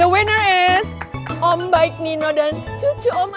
pemenangnya om baik nino dan cucu omar